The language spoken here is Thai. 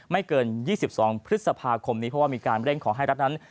ไม่เกิน๒๒พฤษภาคมนี้เพราะว่ามีการเร่งขอให้รัฐนั้น